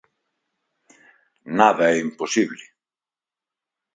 Nada é imposible.